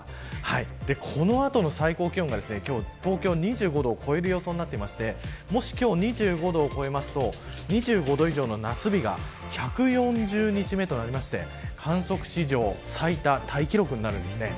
この後の最高気温が東京２５度を超える予想になっていてもし今日２５度を超えると２５度以上の夏日が１４０日目となって観測史上最多タイ記録になるんです。